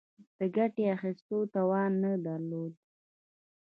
د ګټې اخیستلو توان نه درلود.